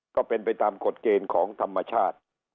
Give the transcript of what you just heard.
ก็เป็นไปตามกฎเกณฑ์ของธรรมชาติ